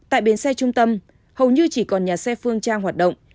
tại bến xe trung tâm hầu như chỉ còn nhà xe phương trang hoạt động